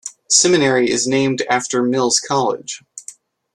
Seminary is named after Mills College.